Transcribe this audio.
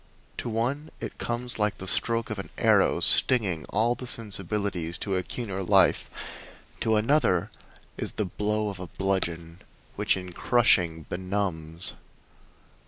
To one it comes like the stroke of an arrow, stinging all the sensibilities to a keener life; to another as the blow of a bludgeon, which in crushing benumbs.